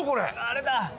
あれだ！